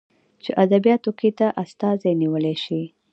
چې ادبياتو کې ته استادي نيولى شې.